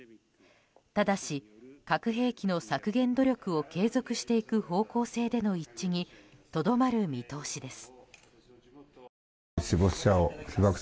ただし、核兵器の削減努力を継続していく方向性での一致にとどまる見通しです。